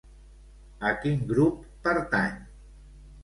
A quin grup pertany?